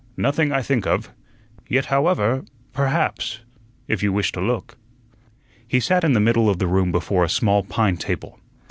"Nothing I think of. Yet, however perhaps if you wish to look." He sat in the middle of the room before a small pine table.